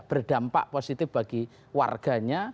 berdampak positif bagi warganya